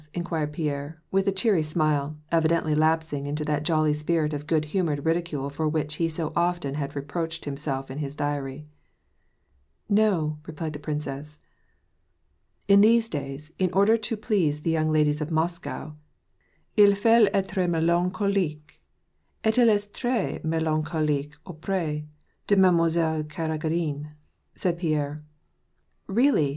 *' inquired Pierre, with a cheery smile, evidently lapsing into that jolly spirit of good humored ridicule for wnich he so often had reproached himself in his diary. " No," replied the princess. " In these days, in order to please the young ladies of Mos cow, it faut etre melaneolique. Et il est tres melancoHqtie aupres de MadeTnoiselle Kara^iiine," said Pierre. " Really